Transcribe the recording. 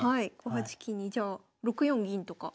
５八金にじゃあ６四銀とか。